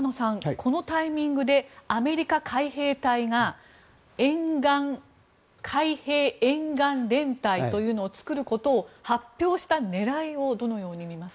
このタイミングでアメリカ海兵隊が海兵沿岸連隊というのを作ることを発表した狙いをどのように見ますか？